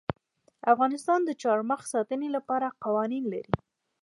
افغانستان د چار مغز د ساتنې لپاره قوانین لري.